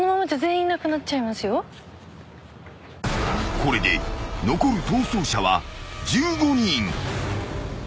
［これで残る逃走者は１５人］